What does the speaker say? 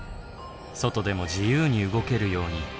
外でも自由に動けるように。